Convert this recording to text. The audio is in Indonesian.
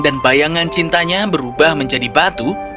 dan bayangan cintanya berubah menjadi batu